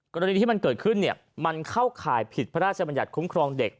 กรณีที่มันเกิดขึ้นมันเข้าข่ายผิดพระราชบัญญัติคุ้มครองเด็ก